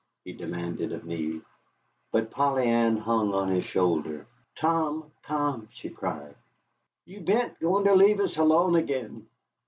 he demanded of me. But Polly Ann hung on his shoulder. "Tom, Tom!" she cried, "you beant goin' to leave us again.